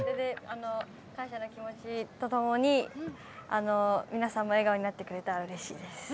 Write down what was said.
感謝の気持ちとともに皆さんも笑顔になってくれたらうれしいです。